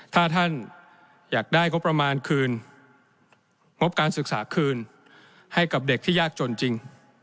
ถ้าท่านอยากได้งบประมาณคืนงบการศึกษาคืนให้กับเด็กที่ยากจนจริง